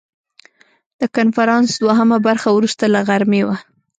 د کنفرانس دوهمه برخه وروسته له غرمې وه.